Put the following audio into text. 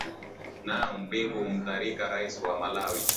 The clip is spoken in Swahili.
naam ni bingu mutharika rais wa malawi